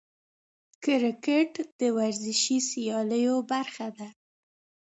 کرکټ د ورزشي سیالیو برخه ده.